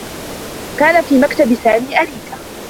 كان في مكتب سامي أريكة.